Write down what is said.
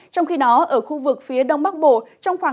trong khi đó ở khu vực phía đông bắc bộ